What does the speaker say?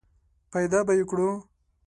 پیدا به یې کړو !